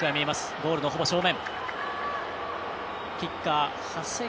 ゴールのほぼ正面。